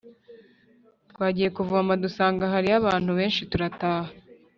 Twagiye kuvoma dusanga hariyo abantu benshi turataha